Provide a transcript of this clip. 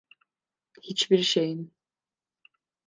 Hiçbir şeyin…